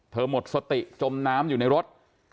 หมดสติจมน้ำอยู่ในรถ